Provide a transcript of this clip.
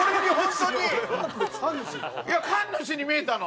いや神主に見えたの。